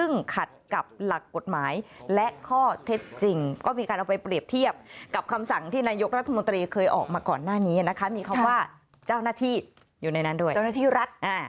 ในนั้นด้วยค่ะสวัสดีค่ะ